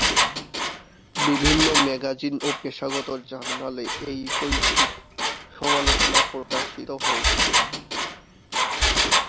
বিভিন্ন ম্যাগাজিন ও পেশাগত জার্নালে এই বইটির সমালোচনা প্রকাশিত হয়েছে।